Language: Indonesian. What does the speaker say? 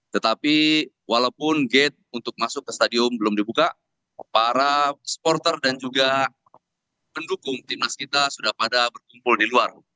tetapi walaupun gate untuk masuk ke stadium belum dibuka para supporter dan juga pendukung timnas kita sudah pada berkumpul di luar